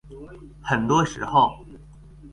很多時候